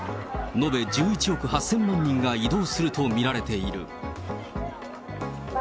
延べ１１億８０００万人が移動すると見られている。